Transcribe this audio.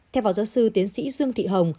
theo vào giáo sư tiến sĩ dương thị hồng